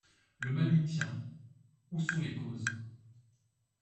Le mal nous tient. Où sont les causes ?